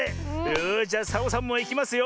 よしじゃサボさんもいきますよ。